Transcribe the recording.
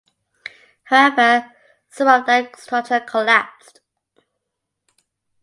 However some of that structure collapsed.